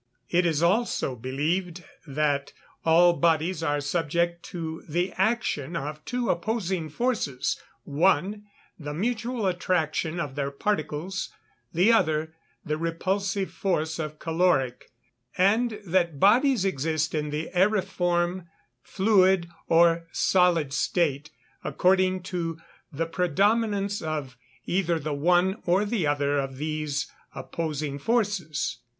It is also believed that all bodies are subject to the action of two opposing forces: one, the mutual attraction of their particles; the other, the repulsive force of caloric and that bodies exist in the æriform, fluid, or solid state, according to the predominance of either the one or the other of these opposing forces.